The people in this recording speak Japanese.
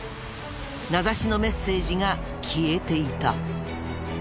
名指しのメッセージが消えていた。